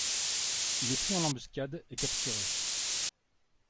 Il est pris en embuscade et capturé.